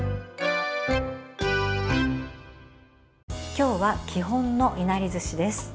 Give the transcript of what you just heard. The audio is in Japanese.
今日は基本のいなりずしです。